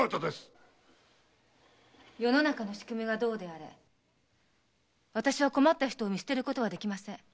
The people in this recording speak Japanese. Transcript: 世の中の仕組みがどうであれ私は困った人を見捨てることはできません。